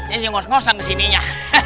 jadi ngos ngosan kesininya